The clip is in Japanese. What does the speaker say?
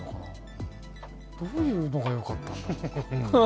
どういうのがよかったんだろう。